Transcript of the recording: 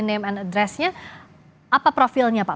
name and addressnya apa profilnya pak